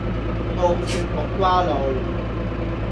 澳雪木瓜露